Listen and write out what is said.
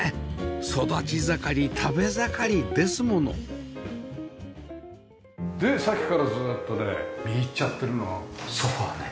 育ち盛り食べ盛りですものでさっきからずっとね見入っちゃってるのはソファね。